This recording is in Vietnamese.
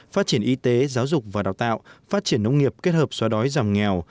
phát triển y tế giáo dục và đào tạo phát triển nông nghiệp kết hợp xóa đói giảm nghèo